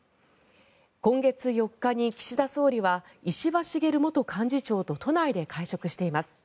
今月４日に岸田総理は石破茂元幹事長と都内で会食しています。